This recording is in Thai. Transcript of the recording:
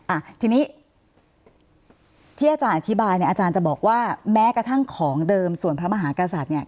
อ่ะทีนี้ที่อาจารย์อธิบายเนี่ยอาจารย์จะบอกว่าแม้กระทั่งของเดิมส่วนพระมหากษัตริย์เนี่ย